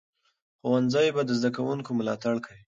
ښوونځی به د زده کوونکو ملاتړ کوي.